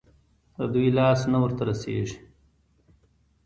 د دوى لاس نه ورته رسېږي.